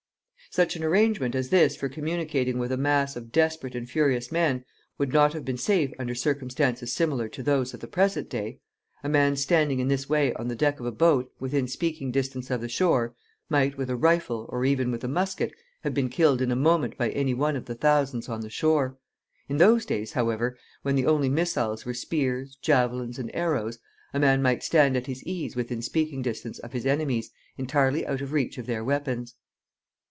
] Such an arrangement as this for communicating with a mass of desperate and furious men would not have been safe under circumstances similar to those of the present day. A man standing in this way on the deck of a boat, within speaking distance of the shore, might, with a rifle, or even with a musket, have been killed in a moment by any one of the thousands on the shore. In those days, however, when the only missiles were spears, javelins, and arrows, a man might stand at his ease within speaking distance of his enemies, entirely out of reach of their weapons.